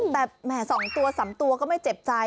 แต่สองตัวสามตัวก็ไม่จีบใจ